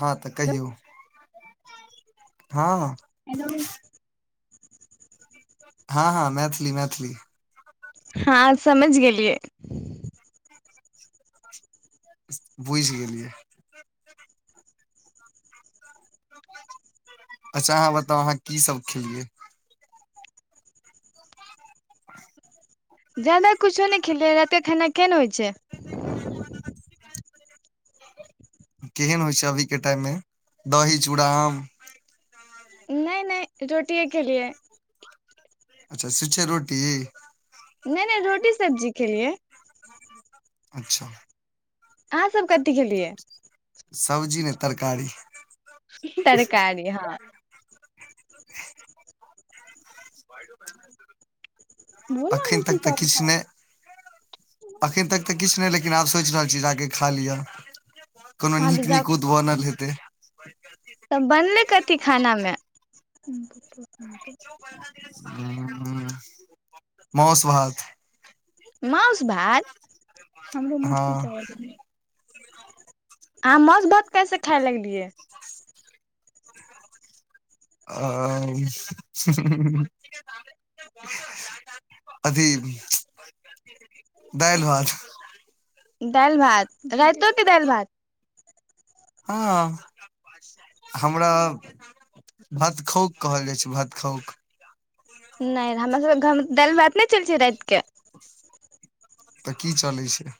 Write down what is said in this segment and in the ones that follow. हँ तऽ कहियौ ह ह हैलो। ह। हँ, हँ, मैथिली मैथिली। हँ, समैझ गेलियै। बुझि गेलियै। अच्छा, अहाँ बताउ अहाँ कि सभ खेलियै ज्यादा कुछो नहि खेलियै राते खाना केहन होइ छै केहन होइ छै, अभी के टाइममे दही चूरा आम। नै नै रोटिये खेलियै। अच्छा, छुच्छे रोटी? नै, नै रोटी सब्जी खेलियै अच्छा। अहाँ सभ कथि खेलियै। सब्जी नै तरकारी। तरकारी हँ। बोला अखैन तक मछली तऽ किछु तरकारी नै अखैन तक तऽ किछु नहि लेकिन आब सोचि रहल छी जेके खा लिय कोनो हँ निक तऽ जाउ निकूत बनल हेतै। तऽ बनलै कथि खाना मे मौस भात। मौस भात, हमरो मछली हँ चावल। अहाँ मौस भात, कहिआ खाय लगलियै आ। अथि दलि भात। दालि भात राइतो कऽ दालि भात। हँ, हमरा भतखौ कहल जाइ छै ख नहि हमरा सभके घर दालि भात नहि चल छै राति के तऽ कि चलै छै।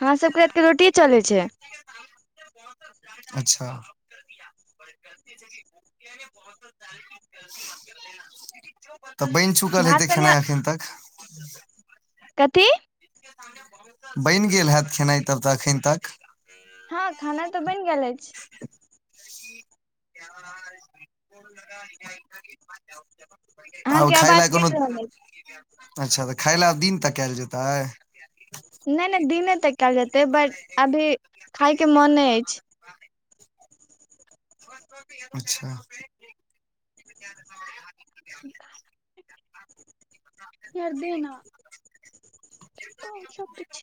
हँ सभके रातिके रोटि चलै छै अच्छा। तऽ बनि चुकाल भात हेतै कनि खेनाइ एखन तक कथि बनि गेल हैत खेनाइ तब त एखैन तक। हँ, खाना तऽ बनि गेल अछि। [unintelligible] आब अहाँके खाय लऽ आवाज कोनो कटि रहल अच्छा, तऽ खाय लय आब दिन तकैल जेतै। नहि, नहि दिने तऽ कयल जेतै बात अभी खायके मन नहि अछि। अच्छा। [inaudible] कर दे न आओर सभ पिछ।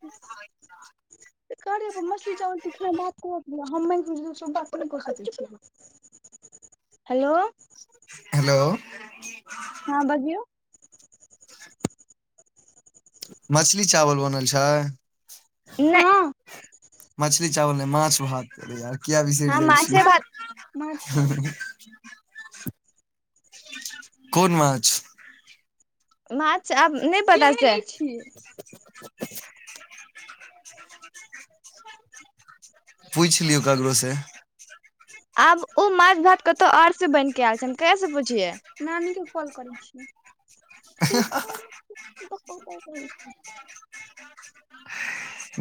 करे मछली चावल तू किना बात कर इस बक [inaudible] हेलो। हेलो। हँ, बजियऔ। मछली चावल बनल छै। नहि। मछली चावल, नहि माछ भात। किया बिसर हँ जाइ माछे भात छियै। कोन माछ। माछ आब नहि पता चैत छै। [inaudible] पुछि लियौ करोसँ। आब, ओ माछ भात। कतौ आर से बन के आयल छै, हम कै से पुछि नानी के कॉल करै छी। [unintelligible] तकै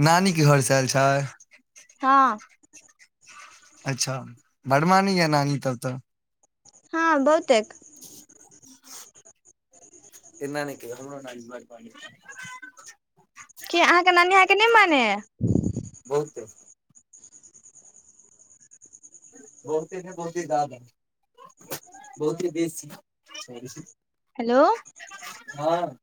नानीके घरसे आयल छै। हँ। अच्छा, बढ़ मानी य नानी तब तऽ हँ बहुत। ह। एना नक हमो बर क अहाँकेँ नानी अहाँकेँ नहि मानैय। बहुत। बहुत है बहुती जादा। बहुते बेश। हेलो। हँ।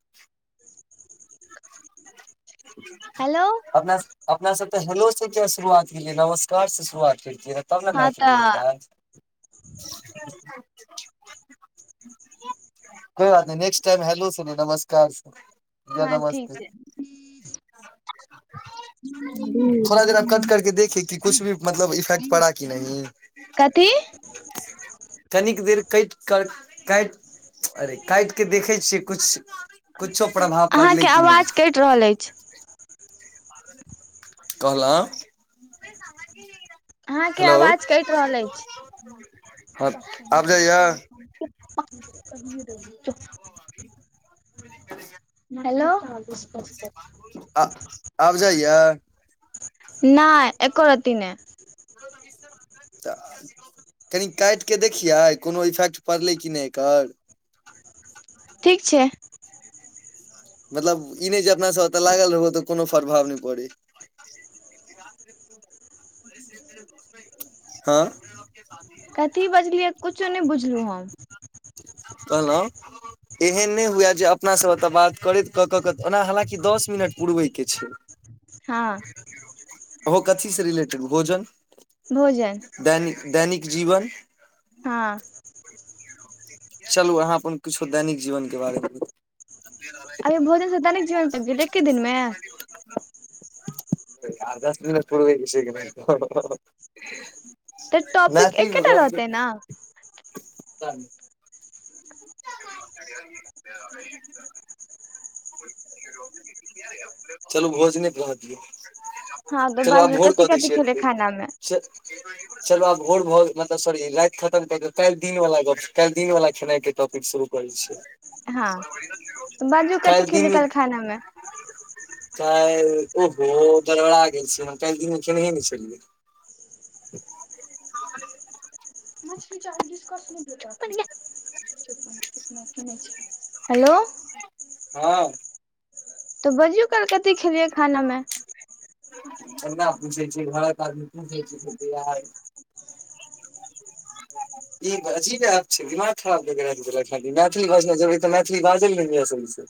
हेलो अपना। अपना सब तऽ हेलो से किया शुरुआत किय नमस्कार से शुरुआत करियै तब ने हँ मैच तऽ मिलतै [unintelligible] कोय बात नय नेक्स्ट टाईम हेलो से नहि नमस्कार या हाँ ठीक नमस्ते छै। [unintelligible] थोड़ा देर कट करके देखे कि कुछ भी मतलब इफेक्ट पड़ा कि नहि ह। कथि कनिक देर कइट कऽ काईट अरे काईट कऽ देखै छियै कुछ कुछो प्रभाव पड़लै अहाँकेँ कि नहि आवाज कईट रहल ऐछ। [inaudible] कहलौ। अहाँकेँ आवाज कऽ रहल अछि। हँ आब जाइया [unintelligible] हेलो आ, आब जाइया? ना एको राती ह त। कनि काटि कऽ देखियै कोनो इफेक्ट पड़लै कि नहि एकर ठीक छै। मतलब ई नहि जे अपना सभ ओतऽ लागल रहो तऽ कोनो प्रभाव नहि पड़े। [unintelligible] कथी बजलियै कुछो नाए बुझलु हम कहलऊ [inaudible] एहन नय हुए जे अपना सब एतऽ बात करैत कऽ कऽ क ओना हलाकी दस मिनट पुरबै के छै हँ ओहो कथी से रिलेटेड भोजन भोजन दैनिक दैनिक जीवन हँ चलू अहाँ अपन किुछो दैनिक जीवन के बारेमे बताऊ अइो भोजन सँ दैनिक जीवन तक भेलै एके दिनमे आ दस मिनट पुरबय छै कि [unintelligible] तऽ टॉपिक मैथिली मे एकेटा गप रहतै ना [unintelligible] [unintelligible] [inaudible] चलू भोजने पर रह दियौ हँ तऽ चलू आब बाजू भोर कथी कऽ दै कथी खेले छियैे खाना मे [inaudible] च चलु आब भोर भ मतलब सॉरी रात खतम कर क काइल दिन वला गप काइल दिन वला खेनाइ के टॉपिक शुरू होैय छै हँ त‍ऽ बाजू कथी खेली काईल खाना मे काइल ओहो गरवड़ा गेल छी काइल दिन मे खेनहे नय छलियै [unintelligible] हेलो हँ तऽ बजियौ काइल कथि खेलियै खाना मे छोटका पूछे घर [unintelligible] क [inaudible] ई अजीब ऐप छै दिमाग खराब कै क रख देलक है मैथिली बाजनाइ जरूरी तऽ मैथिली बाजल नय होईयै सही से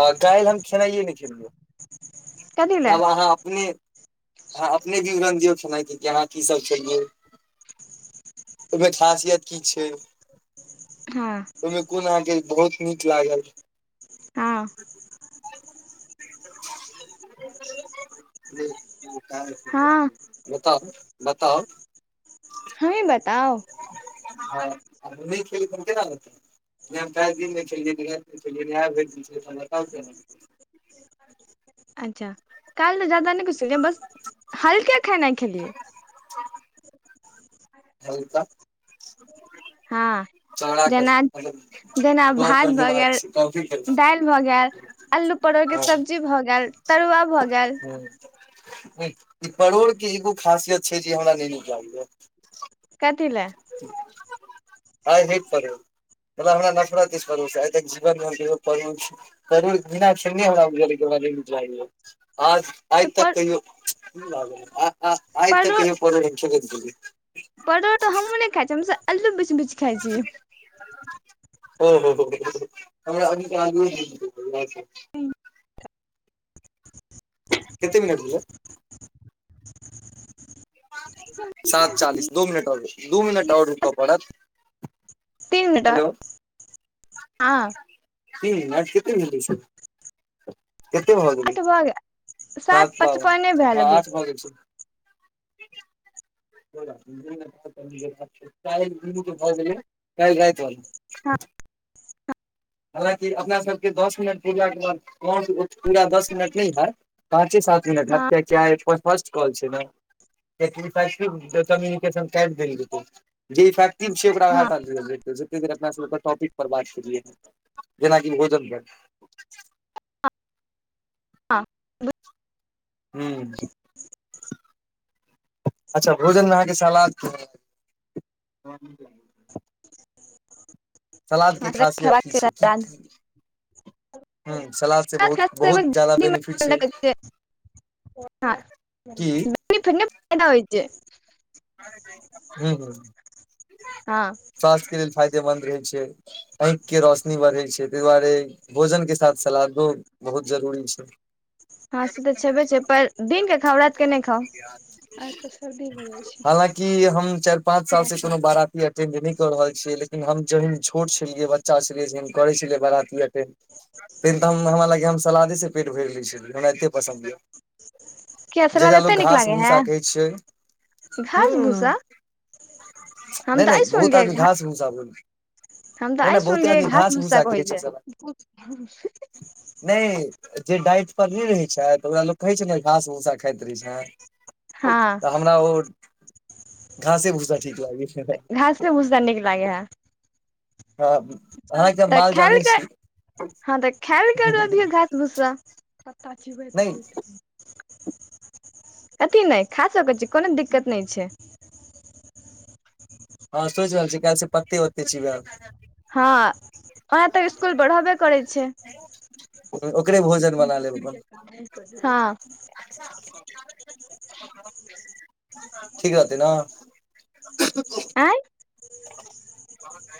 आ काइलहम खेनाइे नय खेलियै कथी [inaudible] लए तब अहाँ अपने आहाँ अपने विवरण दिऔ खानाइ की खेलनाइ की सब क खेय ओहिमे खासियत की छै [unintelligible] ओहिमे कोन अहाँ के बहुत नीक लागल हँ [inaudible] हँ [unintelligible] बताउ बताउ [inaudible] हम ही बताउ हँ हम नहि खेलिए त केना बताऊ नहि हम काइल दीन खेलियै नहि राइत खेलियै नाए आए भैर दिन खेलिए त हम द बतातै केना जा काइल जादा नहि कुछ बस हल्का खेनाइ खेलियै ह ता [inaudible] हँ जेना जेना गप भात पर भऽ दिमाग गेल छै कॉपी केलखिन दाल भऽ गेल आलू परोरके हँ सब्जी भऽ गैल तरुआ भऽ गैल [inaudible] ई परोड़के एगो खासियत छै जे हमरा नय निक लागयै कथि ले ह आइ कर हमरा नफड़ती कर छै, आइ जीवन मे छै जरूर बिना हमरा लऽ आ। आइ तऽ कहियो आइ तऽ कहियो हम परोर परोर तऽ हमहूँ नहि खाइ छी हम अल्लू बिछ बिछ खाइ छीयै। ओ, हो हो हम अभ कते, मिनट भेले। सात चालीस दू मिनट ओर दू मिनट ओर रुकऽ पड़त। तीन मिनट। आ। आ कत होतै छै। कतेक भाव गेले आठ भऽ गेल सात सात बावन पचपने भेल हँ अभी आठ भाव दै छै [unintelligible] [unintelligible] कएल राति मे हँ [unintelligible] हलाकि अपना सभके दस मिनट पूरा के बाद पूरा दस मिनट नहि हैत पाँचे सात मिनट हत हँ कियाकि आइ फर्स्ट कॉल छै न काटि देल जेत इफेक्टिव छै, ओकरा हँ हटा देल जेत। अपना टॉपिक पर बात करिय है, जेनाकि भोजन हँ। हू। अच्छा भोजन मे अहाँकेँ सलाद सलाद के हँ खासियत खेबाक कि चाही छै कि सलाद। कि हू, सलाद छै, बहुत खाय से बहुत जादा बेनिफिट छै। की फने फायदा होई छै। ह, ह। हँ। स्वास्थ्य के लेलऽ फायदेमंन्द रहे छै, आँखि के रोशनी बढ़े छै, ताहि दुआरे भोजन के साथ सलादो बहुत जरूरी छै। हँं, से तऽ छेबे छै, पर दिनक के खाउ रातके नहि खाउ आ सर्दी हो जाइ छै। हालकि हम चारि पाँंच साल सँ कोनो बरा ऐटेनड नहि कऽ रहल छियै लेकिन हम जहन छोट छलियै बच्चा छलै जे करे छलै बारती तय टाइमे हमरा लागैये हम सलादे सँ पेट भरि लै छलियै हमरा एतेक पसन्द यए किया सलाद जेकरा एते लोक नीक घास लागे है भूसा कहे छै। हू, घास भूसा हम नहि, तऽ नहि आइ बहुत सुनलियै आदमी घास भुसा हम तऽ आइ सुनलियै घास भूसा कहैत छै सलाद छै नहि जे डाइट पर नहि रहे छै तऽ ओरा लोक कहै छै ने घास भूसा खाइत रहै छै। हँ त हमरा ओ घासे भुसा ठीक लागै छै घास भुसा नीक लागे है अहाँके हम तऽ माल जाल नहि ख छी हँ तऽ खायलभिय घा सा नहि अथि नहि खा सकै छै कोनो दिक्कत नहि छै हँ, सोचि रहल छी काल्हि पते ओते चीबै हँ वहाँ तक स्कूल बढ़बे करैत छै। ओकरे भोजन बना लेब अपन हँ। [unintelligible] ठीक रहतै ना आय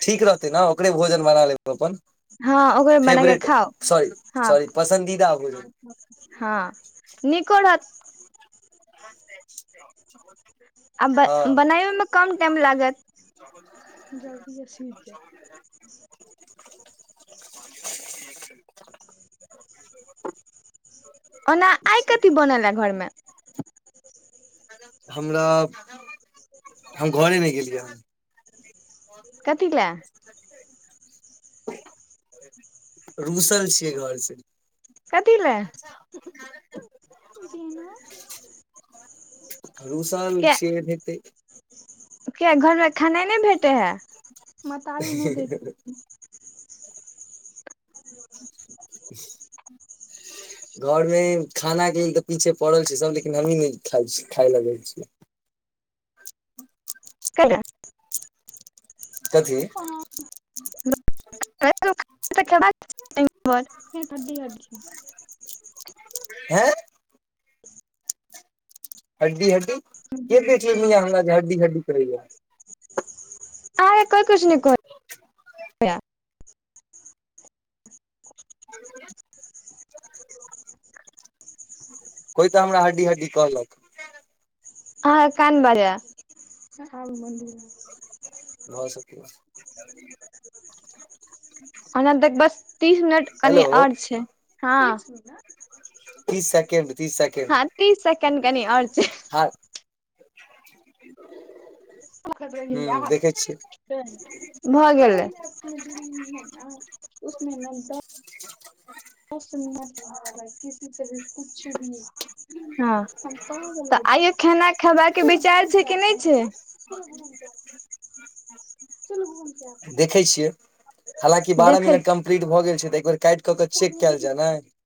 ठीक रहतै ने ओकरे भोजन बना लेब अपन हँ ओकरे बना के फेवरेट खाउ सॉरी हँ सॉरी पसीदा भोजन हँ निको रहत [unintelligible] [unintelligible] हँ आनामे क टाइम लागत [unintelligible] ओना आइ कथी बनले घरमे हमरा हम घरे मे गेलियै ह कथिला रूसल छियै घर से कथी लए रूसल किया छि ओनाहितै घरमे खेनाइ नहि भेटै है महतारी नै दैत हैथि [inaudible] घर में खाना के त पीछे पड़ल छै सब लेकिन हमही नहि खा खाय लए जाइ छियै कैला कथि [unintelligible] हे ठडी ह छै हँ हड्डी हड्डी के देख ले म ह हड्डी हड्डी करै या आय कोइ किछो नै कहतै [unintelligible] [inaudible] कोइ तऽ हमरा हड्डी हड्डी कहलक हँ कान बाजा भऽ सकैत छै ओना तक बस तीस मिनट कनि हेलो आओर छै हँ तीस सेकेंड तीस हँ तीस सेकंड कनि आओज आ [unintelligible] [unintelligible] खतर ह य देखै छियै भऽ गेलै सुन च किसी से भी कुछ भी हँ तऽ आइयो खेाना खेबाक के विचार छै कि नहि छै [unintelligible] [unintelligible] देखै छियै हालकि बारह देखै म कलीट भऽ गेल छै तऽ एक बेर काटि क के चेकयलय ने